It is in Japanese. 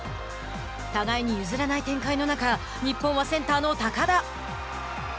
互いに譲らない展開の中日本はセンターの高田。